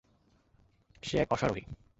সে এক অশ্বারোহী।